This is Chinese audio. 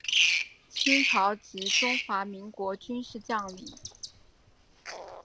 清朝及中华民国军事将领。